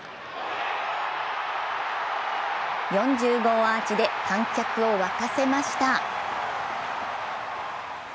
４０号アーチで観客を沸かせました。